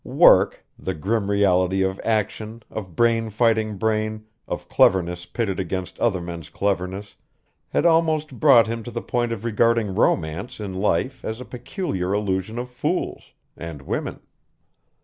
Work the grim reality of action, of brain fighting brain, of cleverness pitted against other men's cleverness had almost brought him to the point of regarding romance in life as a peculiar illusion of fools and women.